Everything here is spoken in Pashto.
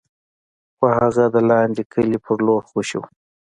خو هغه د لاندې کلي په لور خوشې و.